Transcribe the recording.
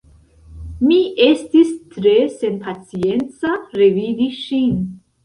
Mi estis tre senpacienca revidi ŝin.